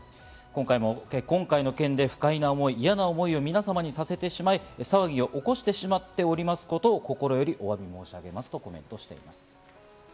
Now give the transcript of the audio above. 今回の件で不快な思い、嫌な思いを皆様にさせてしまい、騒ぎを起こしてしまっておりますことを心よりお詫び申し上げますとコメントしています。